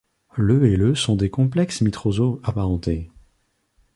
Le et le sont des complexes nitroso apparentés.